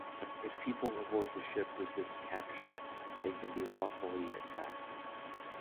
If people aboard the ship resist capture, they can be lawfully attacked.